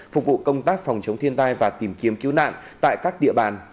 phục vụ công tác phòng chống thiên tai và tìm kiếm cứu nạn tại các địa bàn